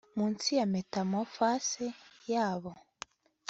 Munsi ya metamorphose yabo